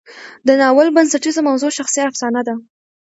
د ناول بنسټیزه موضوع شخصي افسانه ده.